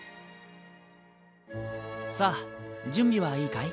さあ準備はいいかい？